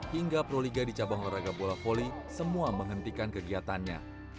hingga pro liga di cabang olahraga bola voli semua menghentikan kegiatannya